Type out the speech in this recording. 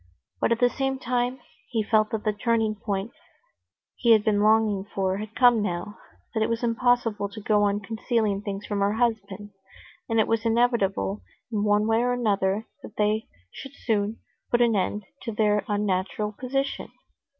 But at the same time, he felt that the turning point he had been longing for had come now; that it was impossible to go on concealing things from her husband, and it was inevitable in one way or another that they should soon put an end to their unnatural position.